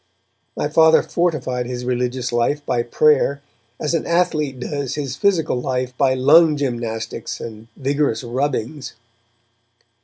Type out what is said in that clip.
My Father fortified his religious life by prayer as an athlete does his physical life by lung gymnastics and vigorous rubbings.